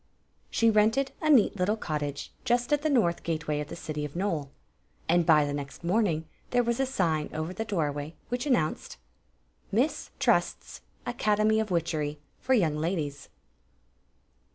She rented a neat little cottage just at the north gateway of the city of Nole, and by the next morn ing there was a sign over the doorway which an nounced: MISS TRl^TS ACADEMY OF WTTCHERY FOR YOUNG LADIES.